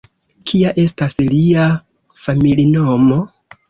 Kia estas lia familinomo?